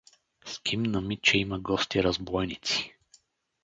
Скимна ми, че има гости разбойници.